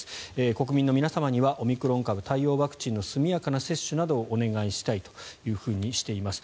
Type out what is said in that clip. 国民の皆様にはオミクロン株対応ワクチンの速やかな接種などをお願いしたいというふうにしています。